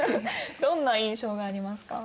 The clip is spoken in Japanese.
どんな印象がありますか？